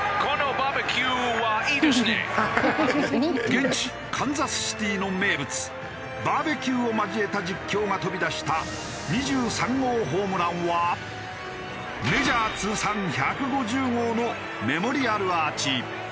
現地カンザスシティーの名物バーベキューを交えた実況が飛び出した２３号ホームランはメジャー通算１５０号のメモリアルアーチ。